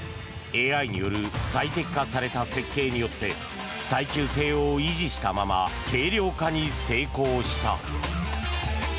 ＡＩによる最適化された設計によって耐久性を維持したまま軽量化に成功した。